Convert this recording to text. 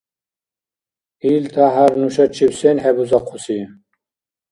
Ил тяхӀяр нушачиб сен хӀебузахъуси?